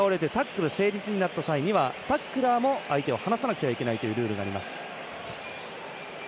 タックルが成立になった場合タックラーも相手を離さなくてはいけないというルールがあります。